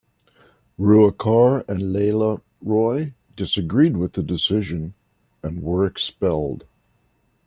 Ruikar and Leela Roy disagreed with the decision, and were expelled.